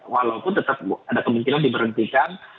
walaupun tetap ada kemungkinan di berhentikan